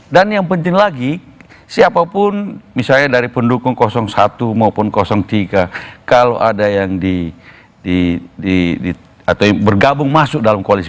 dan yang penting lagi siapapun misalnya dari pendukung satu maupun tiga kalau ada yang di di di di atau yang bergabung masuk dalam koalisi